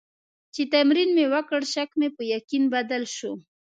چې تمرین مې وکړ، شک مې په یقین بدل شو.